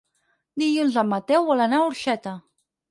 Dilluns en Mateu vol anar a Orxeta.